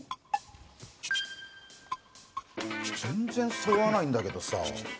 全然揃わないんだけどさあ